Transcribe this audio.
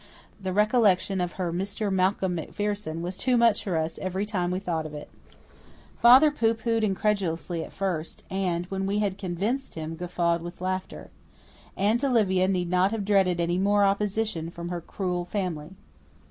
The recollection of her "Mr. Malcolm MacPherson" was too much for us every time we thought of it. Father pooh poohed incredulously at first, and, when we had convinced him, guffawed with laughter. Aunt Olivia need not have dreaded any more opposition from her cruel family.